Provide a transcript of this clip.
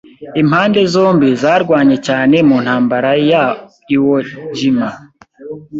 Impande zombi zarwanye cyane mu ntambara ya Iwo Jima.